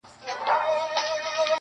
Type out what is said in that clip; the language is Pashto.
کيسه د ذهن برخه ګرځي تل-